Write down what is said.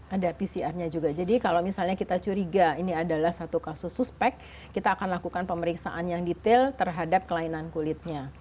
ada pcr nya juga jadi kalau misalnya kita curiga ini adalah satu kasus suspek kita akan lakukan pemeriksaan yang detail terhadap kelainan kulitnya